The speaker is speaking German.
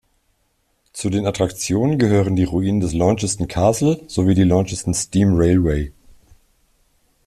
Zu den Attraktionen gehören die Ruinen des Launceston Castle sowie die Launceston Steam Railway.